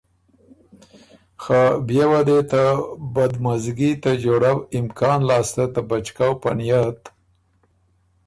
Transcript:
خه بيې وه دی ته بدمزګی ته جوړؤ امکان لاسته ته بچکؤ په نئت